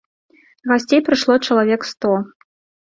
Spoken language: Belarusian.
Гасцей прыйшло чалавек сто.